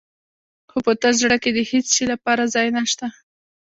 خو په تش زړه کې د هېڅ شي لپاره ځای نه شته.